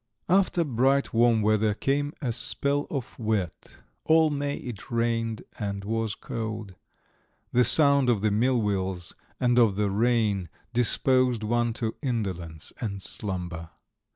XI After bright warm weather came a spell of wet; all May it rained and was cold. The sound of the millwheels and of the rain disposed one to indolence and slumber.